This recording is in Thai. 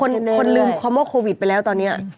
โควิดน่ะทุกคนคนเริ่มความเมาะโควิดไปแล้วตอนเนี้ย